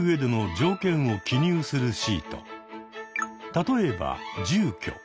例えば住居。